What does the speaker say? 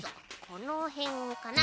このへんかな？